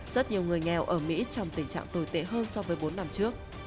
rất nhiều người nghèo ở mỹ trong tình trạng tồi tệ hơn so với bốn năm trước